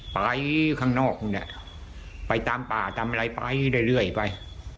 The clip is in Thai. ไปข้างนอกเนี่ยไปตามป่าตามอะไรไปเรื่อยไป